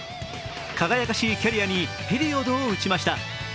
輝かしいキャリアにピリオドを打ちました。